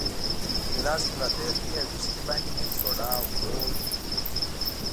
په ګیلاس کې پراته یخي او ویسکي باندې مې سوډا ورو وراچول.